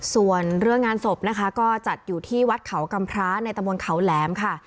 ส่วนเรื่องงานศพนะคะก็จัดอยู่ที่วัดเขากำพระในตะบนเขาแหลมค่ะ